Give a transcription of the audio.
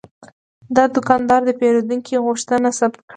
دا دوکاندار د پیرودونکي غوښتنه ثبت کړه.